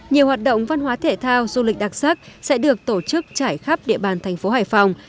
nhiều hoạt động văn hóa thể thao du lịch đặc sắc sẽ được tổ chức trải khắp địa bàn thành phố hải phòng